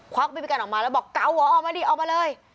ควักบีบีกันออกมาแล้วบอกเกาหว่อเอามาลี่เอามาเลย